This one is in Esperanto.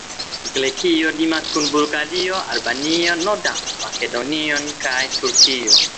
Grekio limas kun Bulgario, Albanio, Nord-Makedonio kaj Turkio.